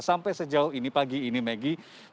sampai sejauh ini pagi ini maggie